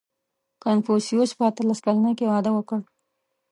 • کنفوسیوس په اتلس کلنۍ کې واده وکړ.